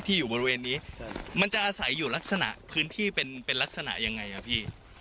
อยู่บริเวณนี้มันจะอาศัยอยู่ลักษณะพื้นที่เป็นลักษณะยังไงอ่ะพี่